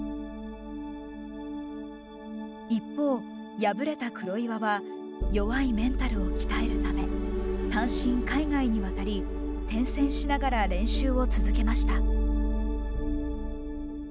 一方、敗れた黒岩は弱いメンタルを鍛えるため単身、海外に渡り転戦しながら練習を続けました。